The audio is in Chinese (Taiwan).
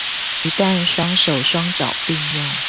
一旦雙手雙腳併用